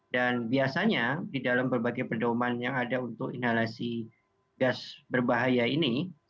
dan biasanya di dalam berbagai perdauman yang ada untuk inhalasi gas berbahaya ini